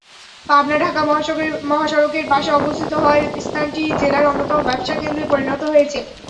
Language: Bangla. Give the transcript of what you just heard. পাবনা-ঢাকা মহাসড়কের পাশে অবস্থিত হওয়ায় স্থানটি জেলার অন্যতম ব্যবসাকেন্দ্রে পরিণত হয়েছে।